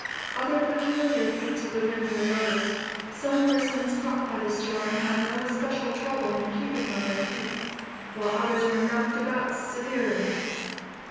Other peculiar feats of the wind were noticed. Some persons caught by the storm, had no especial trouble in keeping on their feet; while others were knocked about severely.